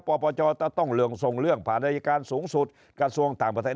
ปปชต้องเร่งทรงเรื่องผ่านรายการสูงสุดกับส่วนต่างประเทศ